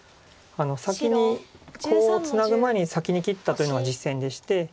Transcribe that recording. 先にコウをツナぐ前に先に切ったというのが実戦でして。